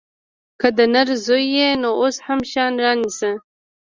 که د نر زوى يې نو اوس هم شيان رانيسه.